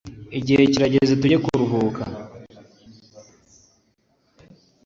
igihe kirageze tujye kuruhuka